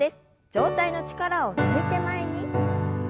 上体の力を抜いて前に。